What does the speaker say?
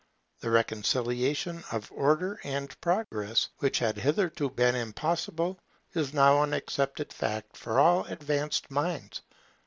The reconciliation of Order and Progress, which had hitherto been impossible, is now an accepted fact for all advanced minds.